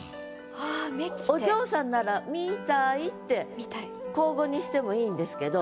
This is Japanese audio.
お嬢さんなら「みたい」って口語にしてもいいんですけど。